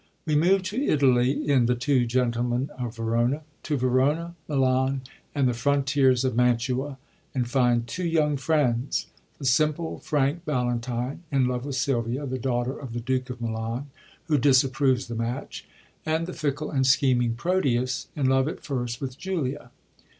— We move to Italy in The Ttoo Crentlemen of Verona — to Verona, Milan, and the .frontiers of Mantua— and find two young friends: the simple, frank Valentine — ^in love with Sylvia, the daughter of the Duke of Milan, who disapproves the match, — and the fickle and scheming Proteus — ^in love, at first, with Julia.